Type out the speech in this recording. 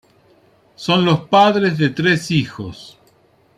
Son los padres de tres hijos.